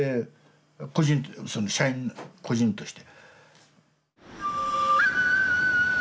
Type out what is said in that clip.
社員個人として。